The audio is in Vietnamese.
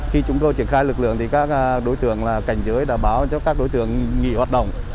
khi chúng tôi triển khai lực lượng thì các đối tượng cảnh giới đã báo cho các đối tượng nghỉ hoạt động